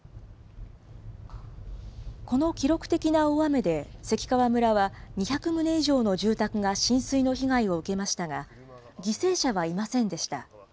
この記録的な大雨で、関川村は２００棟以上の住宅が浸水の被害を受けましたが、犠牲者はいませんでした。